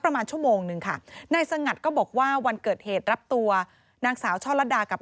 ประมาณชั่วโมงนึงค่ะนายสงัดก็บอกว่าวันเกิดเหตุรับตัวนางสาวช่อลัดดากับ